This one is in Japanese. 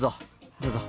どうぞ。